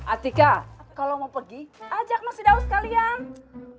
atika kalo mau pergi ajak mas hidau sekalian